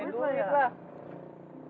buat nyari duit lah